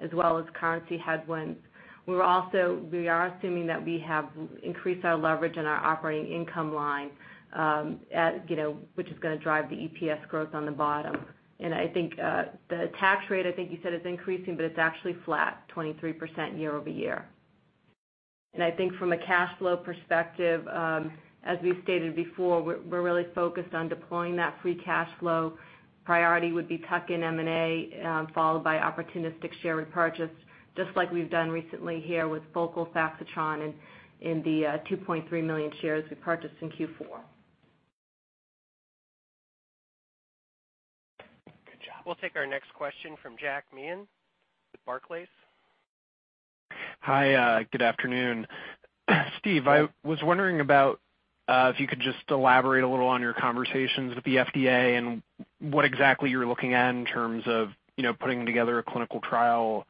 as well as currency headwinds. We are assuming that we have increased our leverage in our operating income line, which is going to drive the EPS growth on the bottom. I think the tax rate, I think you said is increasing, but it's actually flat 23% year-over-year. I think from a cash flow perspective, as we've stated before, we're really focused on deploying that free cash flow. Priority would be tuck-in M&A, followed by opportunistic share repurchase, just like we've done recently here with Focal, Faxitron, and the 2.3 million shares we purchased in Q4. Good job. We'll take our next question from Jack Meehan with Barclays. Hi, good afternoon. Steve, I was wondering about if you could just elaborate a little on your conversations with the FDA and what exactly you're looking at in terms of putting together a clinical trial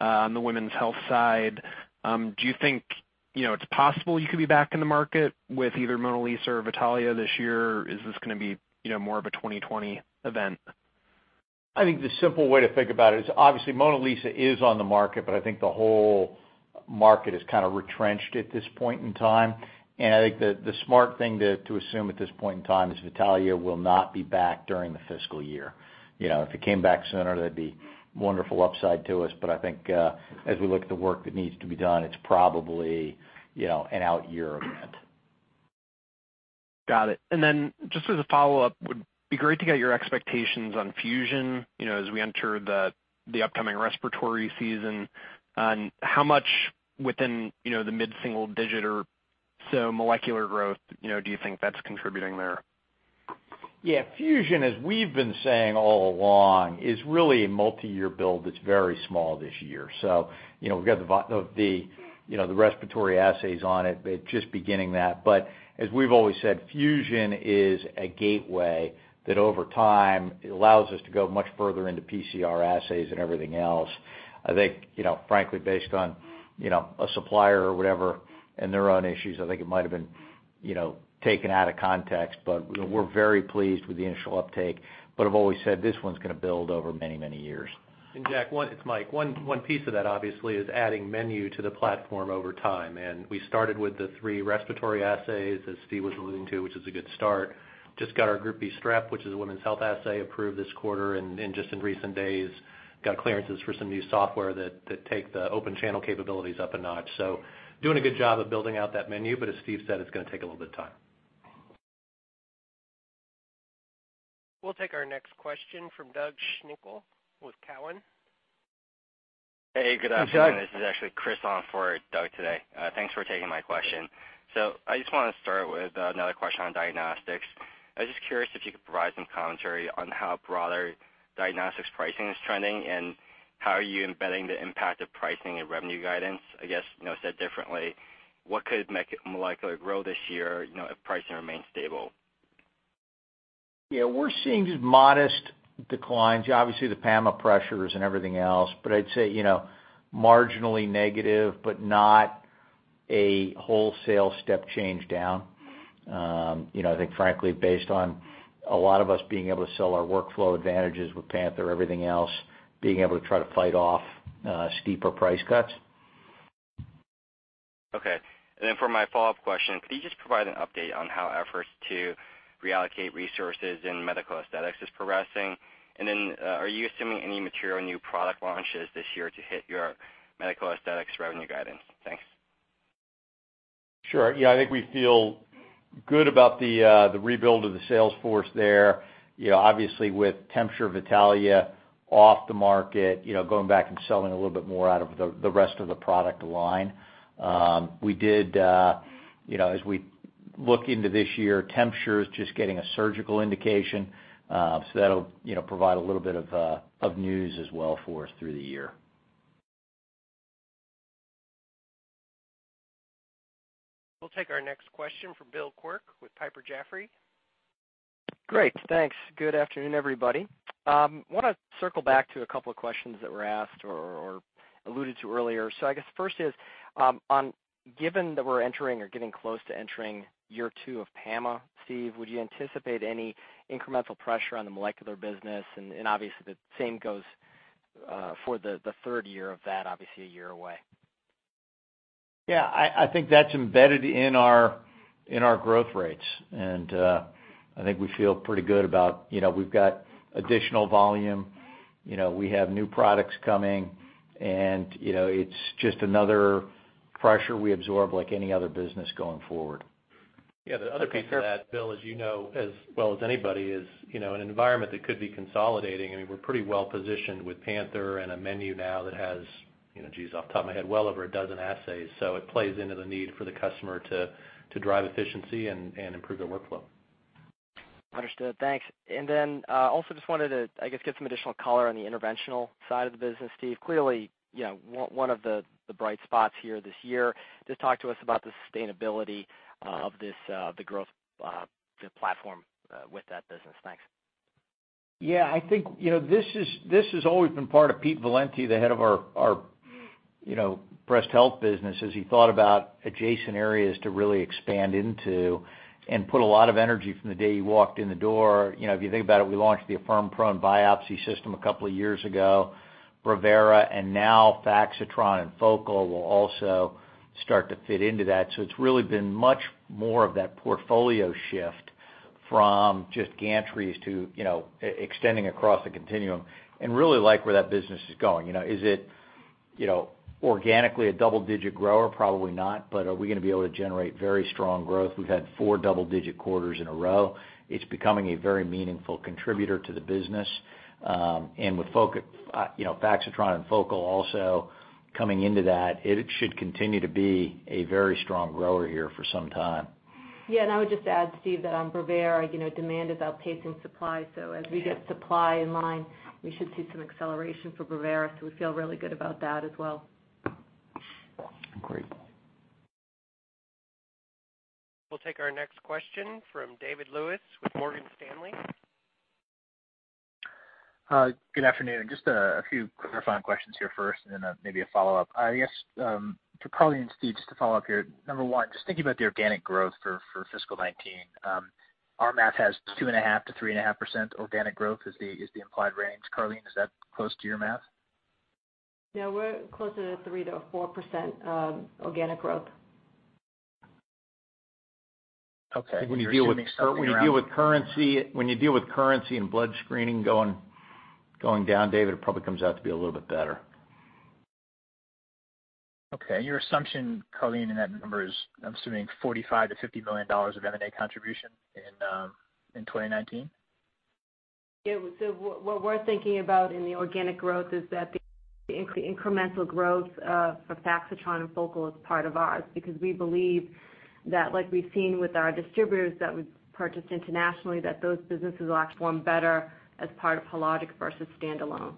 on the women's health side. Do you think it's possible you could be back in the market with either MonaLisa or Vitalia this year? Is this going to be more of a 2020 event? I think the simple way to think about it is, obviously, MonaLisa is on the market, but I think the whole market is kind of retrenched at this point in time. I think the smart thing to assume at this point in time is Vitalia will not be back during the fiscal year. If it came back sooner, that'd be wonderful upside to us. I think, as we look at the work that needs to be done, it's probably an out year event. Got it. Then just as a follow-up, would be great to get your expectations on Fusion as we enter the upcoming respiratory season, on how much within the mid-single digit or so molecular growth, do you think that's contributing there? Yeah. Fusion, as we've been saying all along, is really a multi-year build that's very small this year. We've got the respiratory assays on it, but just beginning that. As we've always said, Fusion is a gateway that over time allows us to go much further into PCR assays and everything else. I think, frankly, based on a supplier or whatever and their own issues, I think it might have been taken out of context, but we're very pleased with the initial uptake. I've always said, this one's going to build over many, many years. Jack, it's Mike. One piece of that, obviously, is adding menu to the platform over time. We started with the three respiratory assays as Steve was alluding to, which is a good start. Just got our Group B Strep, which is a women's health assay, approved this quarter. Just in recent days, got clearances for some new software that take the open channel capabilities up a notch. Doing a good job of building out that menu. As Steve said, it's going to take a little bit of time. We'll take our next question from Doug Schenkel with Cowen. Hey, good afternoon. Hey, Doug. This is actually Chris on for Doug today. Thanks for taking my question. I just want to start with another question on diagnostics. I was just curious if you could provide some commentary on how broader diagnostics pricing is trending, and how are you embedding the impact of pricing and revenue guidance? I guess, said differently, what could make molecular grow this year if pricing remains stable? Yeah, we're seeing just modest declines. Obviously, the PAMA pressures and everything else, but I'd say marginally negative, but not a wholesale step change down. I think frankly, based on a lot of us being able to sell our workflow advantages with Panther, everything else, being able to try to fight off steeper price cuts. Okay. For my follow-up question, could you just provide an update on how efforts to reallocate resources in medical aesthetics is progressing? Are you assuming any material new product launches this year to hit your medical aesthetics revenue guidance? Thanks. Sure. Yeah, I think we feel good about the rebuild of the sales force there. Obviously, with TempSure Vitalia off the market, going back and selling a little bit more out of the rest of the product line. As we look into this year, TempSure is just getting a surgical indication. That'll provide a little bit of news as well for us through the year. We'll take our next question from Bill Quirk with Piper Jaffray. Great. Thanks. Good afternoon, everybody. I want to circle back to a couple of questions that were asked or alluded to earlier. I guess first is, given that we're entering or getting close to entering year two of PAMA, Steve, would you anticipate any incremental pressure on the molecular business? Obviously, the same goes for the third year of that, obviously a year away. Yeah, I think that's embedded in our growth rates. I think we feel pretty good about, we've got additional volume, we have new products coming, it's just another pressure we absorb like any other business going forward. Yeah. The other piece of that, Bill, as you know as well as anybody, is an environment that could be consolidating. I mean, we're pretty well positioned with Panther and a menu now that has, geez, off the top of my head, well over a dozen assays. It plays into the need for the customer to drive efficiency and improve their workflow. Understood. Thanks. Also just wanted to, I guess, get some additional color on the interventional side of the business, Steve. Clearly, one of the bright spots here this year. Just talk to us about the sustainability of the growth platform with that business. Thanks. Yeah, I think this has always been part of Peter Valenti, the head of our breast health business, as he thought about adjacent areas to really expand into and put a lot of energy from the day he walked in the door. If you think about it, we launched the Affirm prone biopsy system a couple of years ago, Brevera, and now Faxitron and Focal will also start to fit into that. It's really been much more of that portfolio shift from just gantries to extending across the continuum and really like where that business is going. Is it organically a double-digit grower? Probably not. Are we going to be able to generate very strong growth? We've had four double-digit quarters in a row. It's becoming a very meaningful contributor to the business. With Faxitron and Focal also coming into that, it should continue to be a very strong grower here for some time. Yeah, I would just add, Steve, that on Brevera, demand is outpacing supply. As we get supply in line, we should see some acceleration for Brevera. We feel really good about that as well. Great. We'll take our next question from David Lewis with Morgan Stanley. Good afternoon. Just a few clarifying questions here first and then maybe a follow-up. I guess, to Karleen's speech, to follow up here. Number one, just thinking about the organic growth for fiscal 2019. Our math has 2.5%-3.5% organic growth is the implied range. Karleen, is that close to your math? No, we're closer to 3%-4% organic growth. Okay. You're assuming something around. When you deal with currency and blood screening going down, David, it probably comes out to be a little bit better. Okay. Your assumption, Karleen, in that number is, I'm assuming $45 million-$50 million of M&A contribution in 2019? Yeah. What we're thinking about in the organic growth is that the incremental growth of Faxitron and Focal is part of ours because we believe that, like we've seen with our distributors that we've purchased internationally, that those businesses will actually perform better as part of Hologic versus standalone.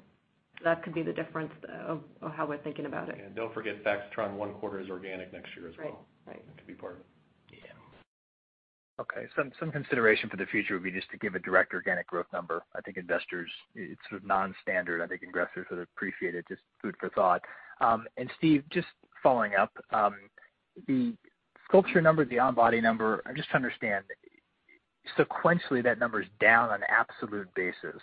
That could be the difference of how we're thinking about it. don't forget, Faxitron, one quarter is organic next year as well. Right. It could be part of it. Yeah. Okay. Some consideration for the future would be just to give a direct organic growth number. I think investors, it's sort of non-standard. I think investors would appreciate it. Just food for thought. Steve, just following up. The SculpSure number, the on body number, just to understand. Sequentially, that number's down on an absolute basis.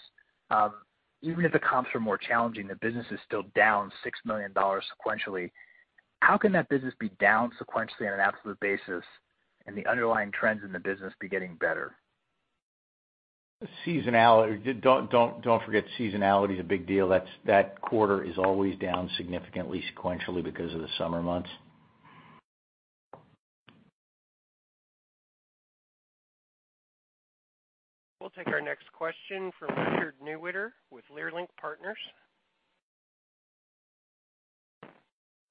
Even if the comps are more challenging, the business is still down $6 million sequentially. How can that business be down sequentially on an absolute basis and the underlying trends in the business be getting better? Don't forget, seasonality is a big deal. That quarter is always down significantly sequentially because of the summer months. We'll take our next question from Richard Newitter with Leerink Partners.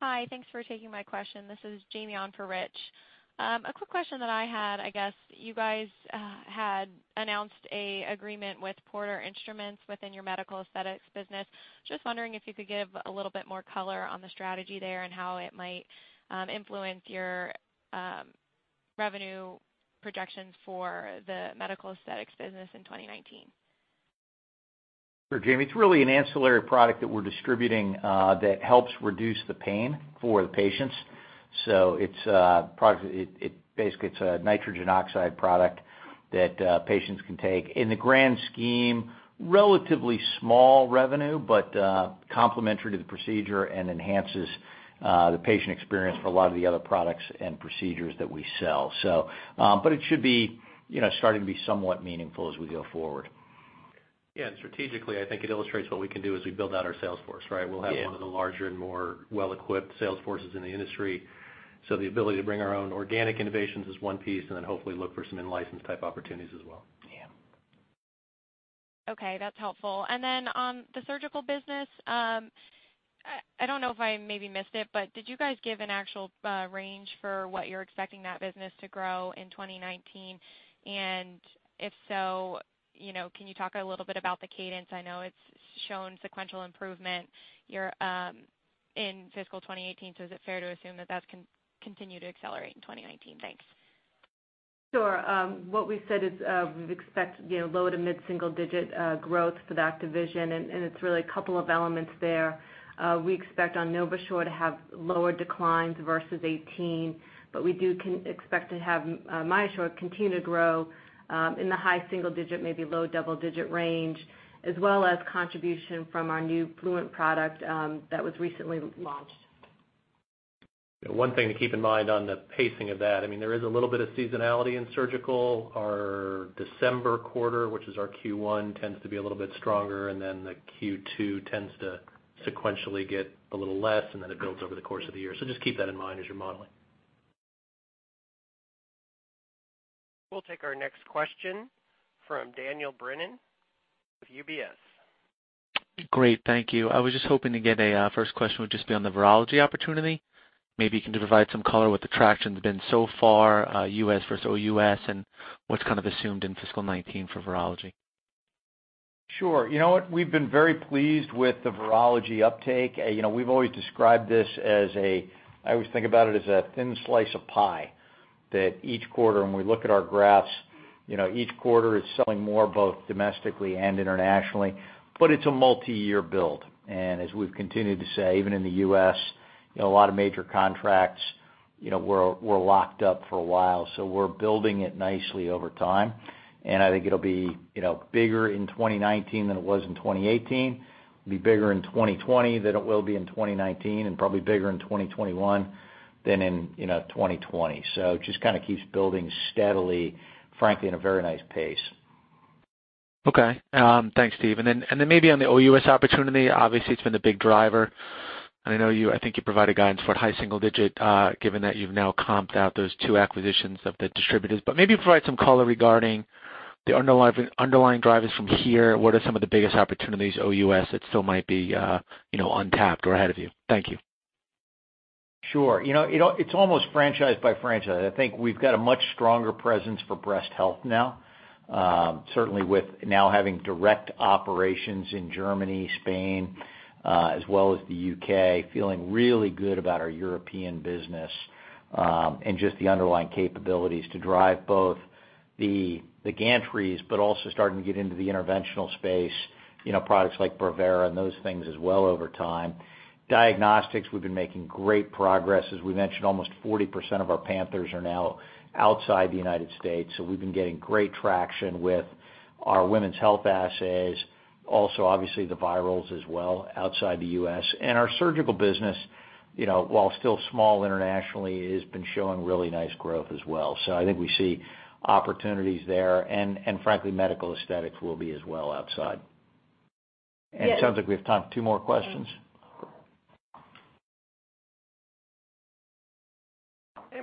Hi, thanks for taking my question. This is Jamie on for Rich. A quick question that I had, I guess you guys had announced an agreement with Porter Instrument within your medical aesthetics business. Just wondering if you could give a little bit more color on the strategy there and how it might influence your revenue projections for the medical aesthetics business in 2019. Sure, Jamie. It's really an ancillary product that we're distributing that helps reduce the pain for the patients. Basically, it's a nitrous oxide product that patients can take. In the grand scheme, relatively small revenue, but complementary to the procedure and enhances the patient experience for a lot of the other products and procedures that we sell. It should be starting to be somewhat meaningful as we go forward. Yeah, strategically, I think it illustrates what we can do as we build out our sales force, right? We'll have one of the larger and more well-equipped sales forces in the industry. The ability to bring our own organic innovations is one piece, and then hopefully look for some in-license type opportunities as well. Okay, that's helpful. then on the surgical business, I don't know if I maybe missed it, but did you guys give an actual range for what you're expecting that business to grow in 2019? if so, can you talk a little bit about the cadence? I know it's shown sequential improvement in fiscal 2018, so is it fair to assume that that's going to continue to accelerate in 2019? Thanks. Sure. What we said is we expect low to mid single digit growth for that division, and it's really a couple of elements there. We expect our NovaSure to have lower declines versus '18, but we do expect to have MyoSure continue to grow in the high single digit, maybe low double digit range, as well as contribution from our new Fluent product that was recently launched. One thing to keep in mind on the pacing of that, there is a little bit of seasonality in surgical. Our December quarter, which is our Q1, tends to be a little bit stronger, and then the Q2 tends to sequentially get a little less, and then it builds over the course of the year. just keep that in mind as you're modeling. We'll take our next question from Daniel Brennan with UBS. Great. Thank you. I was just hoping to get a, first question would just be on the virology opportunity. Maybe you can provide some color what the traction's been so far, U.S. versus OUS, and what's kind of assumed in fiscal '19 for virology. Sure. You know what? We've been very pleased with the virology uptake. We've always described this as a I always think about it as a thin slice of pie that each quarter when we look at our graphs, each quarter it's selling more both domestically and internationally. It's a multi-year build. As we've continued to say, even in the U.S., a lot of major contracts were locked up for a while. We're building it nicely over time, and I think it'll be bigger in 2019 than it was in 2018. It'll be bigger in 2020 than it will be in 2019, and probably bigger in 2021 than in 2020. It just kind of keeps building steadily, frankly, at a very nice pace. Okay. Thanks, Steph. Then maybe on the OUS opportunity, obviously it's been the big driver. I think you provided guidance for high single digit, given that you've now comped out those two acquisitions of the distributors. Maybe provide some color regarding the underlying drivers from here. What are some of the biggest opportunities OUS that still might be untapped or ahead of you? Thank you. Sure. It's almost franchise by franchise. I think we've got a much stronger presence for breast health now. Certainly with now having direct operations in Germany, Spain, as well as the U.K., feeling really good about our European business, and just the underlying capabilities to drive both the gantries, but also starting to get into the interventional space, products like Brevera and those things as well over time. Diagnostics, we've been making great progress. As we mentioned, almost 40% of our Panthers are now outside the United States, so we've been getting great traction with our women's health assays. Also, obviously the virals as well outside the U.S. Our surgical business, while still small internationally, has been showing really nice growth as well. I think we see opportunities there and frankly, medical aesthetics will be as well outside. It sounds like we have time for two more questions.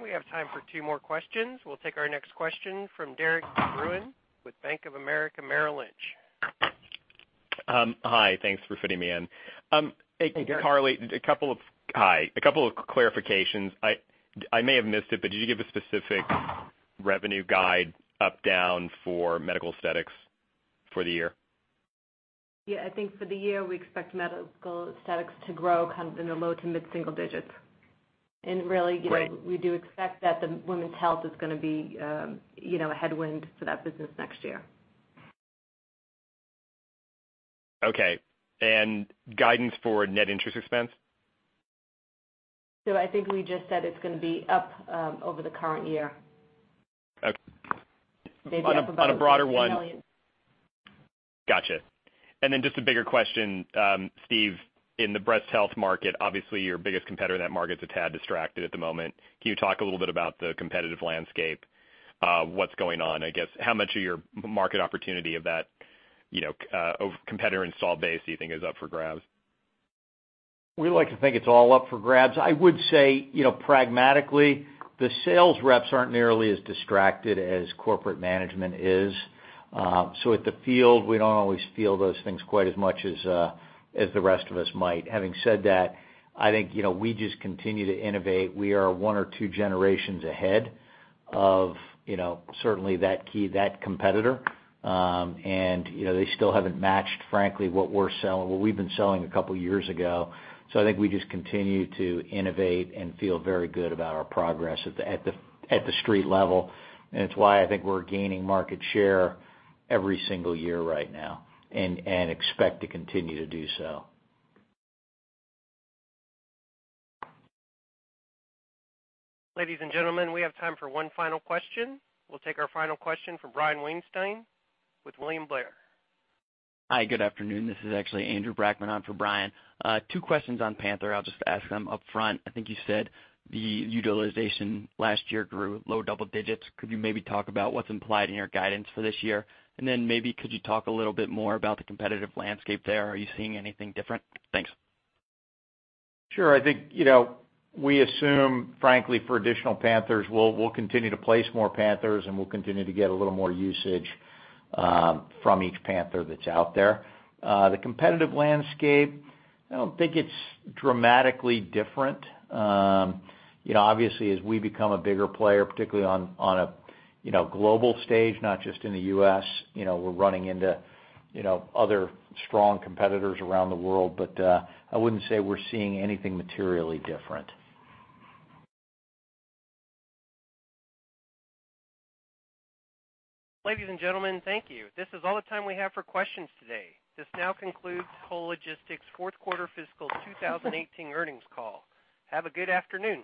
We have time for two more questions. We'll take our next question from Derik Bruin with Bank of America Merrill Lynch. Hi, thanks for fitting me in. Hey, Derik. Karleen, hi. A couple of clarifications. I may have missed it, but did you give a specific revenue guide up-down for medical aesthetics for the year? Yeah, I think for the year, we expect medical aesthetics to grow kind of in the low to mid single digits. really Great we do expect that the women's health is going to be a headwind for that business next year. Okay, guidance for net interest expense? I think we just said it's going to be up over the current year. Okay. Maybe up about On a broader one. $15 million. Got you. Just a bigger question, Steve, in the breast health market, obviously your biggest competitor in that market's a tad distracted at the moment. Can you talk a little bit about the competitive landscape? What's going on, I guess. How much of your market opportunity of that competitor installed base do you think is up for grabs? We like to think it's all up for grabs. I would say, pragmatically, the sales reps aren't nearly as distracted as corporate management is. At the field, we don't always feel those things quite as much as the rest of us might. Having said that, I think we just continue to innovate. We are one or two generations ahead of certainly that competitor. They still haven't matched, frankly, what we're selling, what we've been selling a couple of years ago. I think we just continue to innovate and feel very good about our progress at the street level, and it's why I think we're gaining market share every single year right now and expect to continue to do so. Ladies and gentlemen, we have time for one final question. We'll take our final question from Brian Weinstein with William Blair. Hi, good afternoon. This is actually Andrew Brackmann on for Brian. Two questions on Panther. I'll just ask them upfront. I think you said the utilization last year grew low double digits. Could you maybe talk about what's implied in your guidance for this year? Maybe could you talk a little bit more about the competitive landscape there? Are you seeing anything different? Thanks. Sure. I think, we assume, frankly, for additional Panthers, we'll continue to place more Panthers, and we'll continue to get a little more usage from each Panther that's out there. The competitive landscape, I don't think it's dramatically different. Obviously as we become a bigger player, particularly on a global stage, not just in the U.S., we're running into other strong competitors around the world. I wouldn't say we're seeing anything materially different. Ladies and gentlemen, thank you. This is all the time we have for questions today. This now concludes Hologic's fourth quarter fiscal 2018 earnings call. Have a good afternoon.